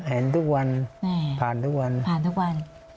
เห็นทุกวันผ่านทุกวัน